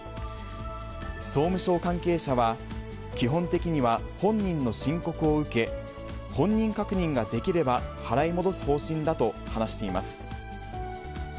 総務省関係者は、基本的には本人の申告を受け、本人確認ができれば、払い戻す方針だと話しています。